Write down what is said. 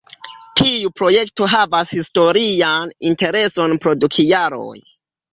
Tiu projekto havas historian intereson pro du kialoj.